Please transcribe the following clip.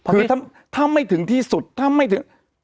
คือถ้าไม่ถึงที่สุดถ้าไม่ถึง